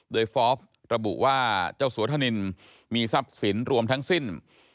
โดยฟอล์ฟระบุว่าเจ้าสัวธนินมีทรัพย์สินรวมทั้งสิ้น